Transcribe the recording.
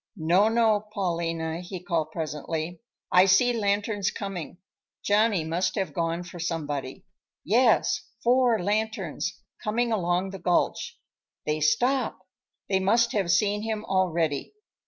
"No, no, Paulina," he called presently; "I see lanterns coming. Johnny must have gone for somebody. Yes, four lanterns, coming along the gulch. They stop; they must have seen him already.